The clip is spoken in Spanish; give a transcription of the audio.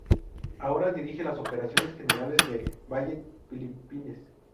Ahora dirige las operaciones generales del Ballet Philippines.